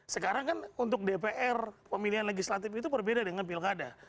sekarang kan untuk dpr pemilihan legislatif itu berbeda dengan pilkada